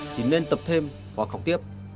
thì nên tập thêm hoặc học tiếp